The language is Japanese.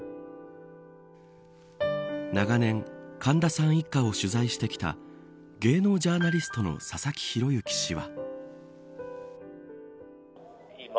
長年、神田さん一家を取材してきた芸能ジャーナリストの佐々木博之氏は。